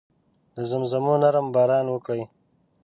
د زمزمو نرم باران وکړي